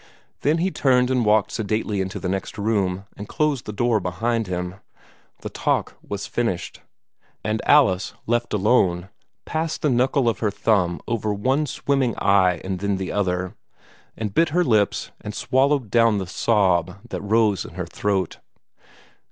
Then he turned and walked sedately into the next room, and closed the door behind him. The talk was finished; and Alice, left alone, passed the knuckle of her thumb over one swimming eye and then the other, and bit her lips and swallowed down the sob that rose in her throat.